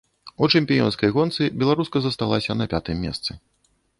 У чэмпіёнскай гонцы беларуска засталася на пятым месцы.